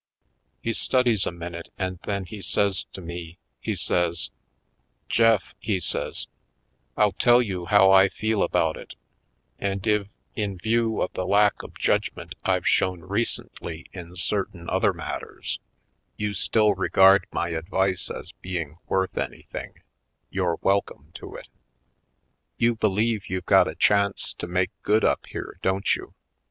He studies a minute and then he says to me, he says : "Jeff," he says, "I'll tell you how I feel about it and if, in view of the lack of judg ment I've shown recently in certain other 258 /. Poindexter^ Colored matters, you still regard my advice as being worth anything, you're welcome to it. You believe you've got a chance to make good up here, don't you?